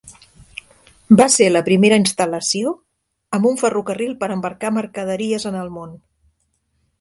Va ser la primera instal·lació amb un ferrocarril per embarcar mercaderies en el món.